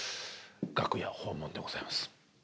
楽屋訪問でございます。